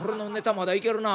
まだいけるな。